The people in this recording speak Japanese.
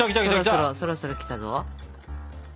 そろそろそろそろきたぞ。